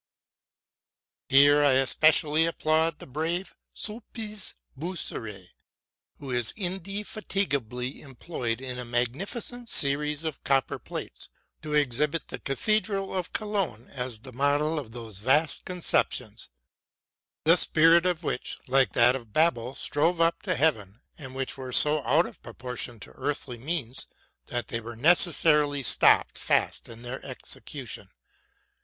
Here I especially applaud the brave Sulpiz Boisserée, who is indefatigably employed in a magnificent series of copper plates to exhibit the cathedral of Cologne as the model of those vast conceptions, the spirit of which, like that of Babel, strove up to heaven, and which were so out of proportion to earthly means that they were necessarily stopped fast in their execution.